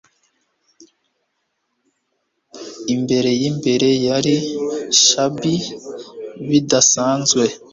Imbere yimbere yari shabby bidasanzwe